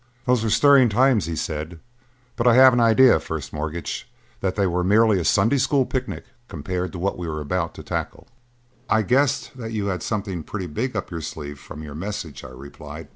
"Those were stirring times," he said, "but I have an idea, First Mortgage, that they were merely a Sunday school picnic compared to what we are about to tackle." "I guessed that you had something pretty big up your sleeve from your message." I replied.